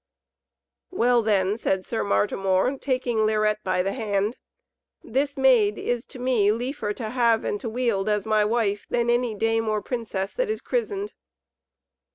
"Well, then," said Sir Martimor, taking Lirette by the hand, "this Maid is to me liefer to have and to wield as my wife than any dame or princess that is christened."